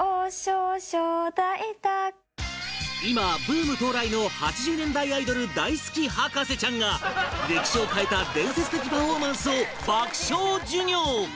今ブーム到来の８０年代アイドル大好き博士ちゃんが歴史を変えた伝説的パフォーマンスを爆笑授業